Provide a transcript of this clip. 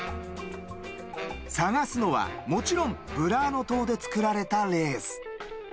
探すのはもちろんブラーノ島で作られたレース。